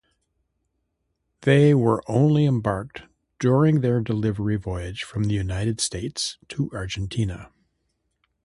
They were only embarked during their delivery voyage from the United States to Argentina.